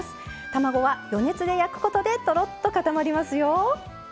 卵は余熱で焼くことでとろっと固まりますよ。